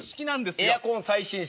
エアコン最新式。